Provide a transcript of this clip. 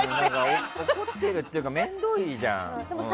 怒ってるっていうかめんどいじゃん、お互い。